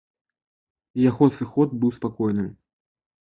Яго сыход быў спакойным.